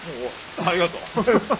ありがとう。